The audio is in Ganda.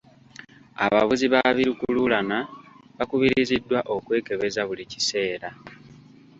Abavuzi ba bi lukululana bakubiriziddwa okwekebeza buli kiseera.